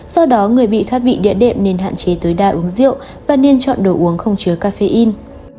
do đó người bị thắt vị địa đệm nên hạn chế tối đa uống rượu và nên chọn đồ uống không chứa caffeine